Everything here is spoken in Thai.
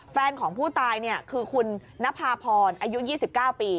แฟนของผู้ตายคือคุณนภาพรอายุ๒๙ปี